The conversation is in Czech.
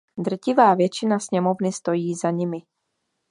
Drtivá většina sněmovny stojí za nimi.